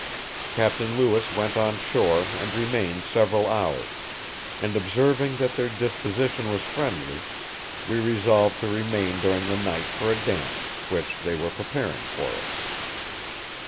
Captain Lewis went on shore and remained several hours; and observing that their disposition was friendly, we resolved to remain during the night for a dance, which they were preparing for us."